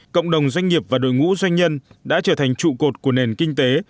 cộng đồng doanh nghiệp và đội ngũ doanh nhân đã trở thành trụ cột của nền kinh tế